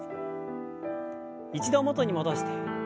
一度元に戻して。